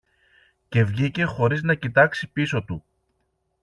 Και βγήκε χωρίς να κοιτάξει πίσω του.